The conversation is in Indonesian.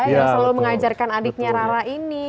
yang selalu mengajarkan adiknya rara ini